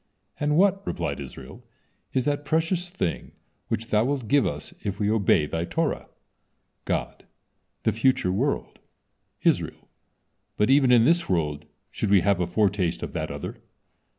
"And what," replied Israel, "is that precious thing which Thou wilt give us if we obey Thy Torah?" God: "The future world." Israel: "But even in this world should we have a foretaste of that other."